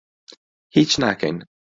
هیچ ناکەین.